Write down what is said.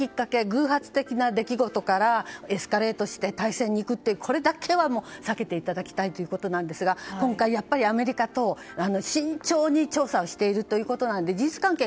偶発的な出来事からエスカレートして大戦に行くってこれだけは避けていただきたいんですが今回アメリカと慎重に調査をしているということなので事実関係